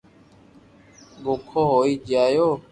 ڀوکو ھوئي جايو